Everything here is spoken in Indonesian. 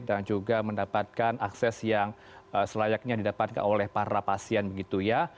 dan juga mendapatkan akses yang selayaknya didapatkan oleh para pasien gitu ya